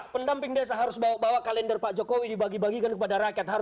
pendamping desa harus bawa bawa kalender pak jokowi dibagi bagikan kepada rakyat